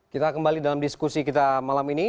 kita kembali dalam diskusi kita malam ini